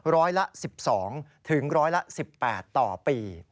ร้อยละ๑๒ถึงร้อยละ๑๘ต่อปี